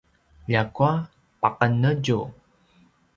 ljakua paqenetju